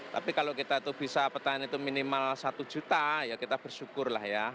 tapi kalau kita itu bisa petani itu minimal satu juta ya kita bersyukur lah ya